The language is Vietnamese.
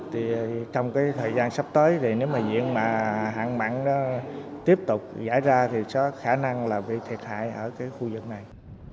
trong thời gian sắp tới nếu mà hạn mặn tiếp tục giải ra thì có khả năng là bị thiệt hại ở cái khu vực này